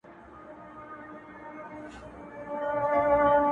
لا به چي تا پسې بهيږي اوښکي څه وکړمه!!